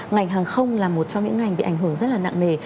ngành hàng không là một trong những ngành bị ảnh hưởng rất là nặng nề